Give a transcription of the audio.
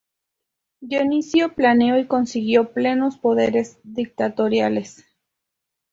Dionisio planeó y consiguió plenos poderes dictatoriales.